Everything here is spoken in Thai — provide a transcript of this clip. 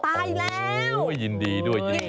ไปแล้วโอ้โหยินดีด้วยยินดีด้วยนะ